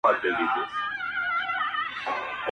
پر تاخچو، پر صندوقونو پر کونجونو!!